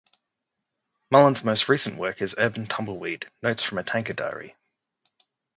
Mullen's most recent work is "Urban Tumbleweed: Notes from a Tanka Diary".